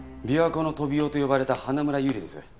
琵琶湖のトビウオと呼ばれた花村友梨です。